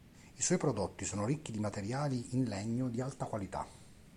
I suoi prodotti sono ricchi di materiali in legno di alta qualità.